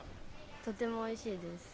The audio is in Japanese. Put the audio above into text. とてもおいしいです。